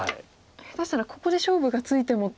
下手したらここで勝負がついてもっていうぐらい。